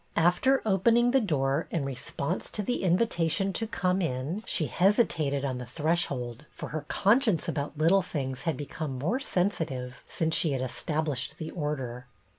After opening the door in response to the invitation to 220 BETTY BAIRD come in, she hesitated on the threshold, for her conscience about little things had be come more sensitive since she had estab lished the Order.